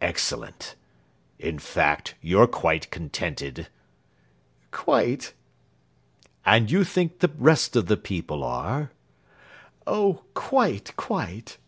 "Excellent. In fact, you're quite contented?" "Quite." "And you think the rest of the people are?" "Oh, quite, quite!"